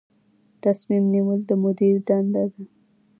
تصمیم نیول د مدیر دنده ده